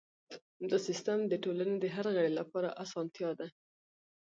دا سیستم د ټولنې د هر غړي لپاره اسانتیا ده.